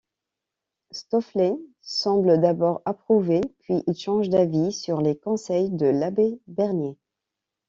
Stofflet semble d'abord approuver, puis il change d'avis sur les conseils de l'abbé Bernier.